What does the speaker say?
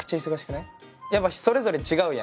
やっぱそれぞれ違うやん。